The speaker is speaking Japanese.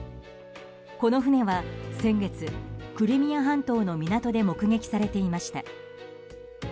この船は先月クリミア半島の港で目撃されていました。